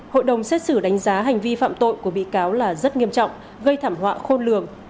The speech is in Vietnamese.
hội đồng xét xử đánh giá hành vi phạm tội của bị cáo là rất nghiêm trọng gây thảm họa khôn lường